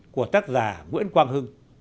của tác giả nguyễn quang hưng